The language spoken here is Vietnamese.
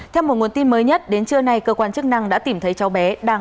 theo một nguồn tin mới nhất đến trưa nay cơ quan chức năng đã tìm thấy cháu bé đang ở nhà nội